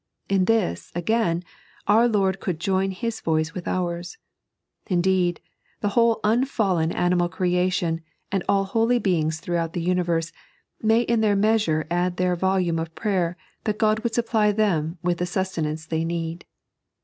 In this, again, our Lord could join His voice with ours. Indeed, the whole unfallen animal creation, and all holy beings throughout the universe, may in their measure add their volume of prayer that God would supply them with the sustenance they need.